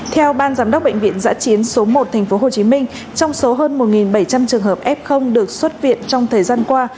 theo ban giám đốc bệnh viện giã chiến số một tp hcm trong số hơn một bảy trăm linh trường hợp f được xuất viện trong thời gian qua